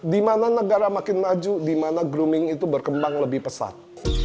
di mana negara makin maju di mana grooming itu berkembang lebih pesat